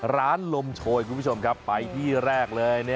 ลมโชยคุณผู้ชมครับไปที่แรกเลย